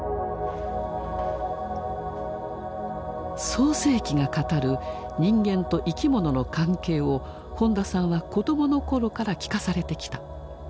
「創世記」が語る人間と生き物の関係を本田さんは子どもの頃から聞かされてきた。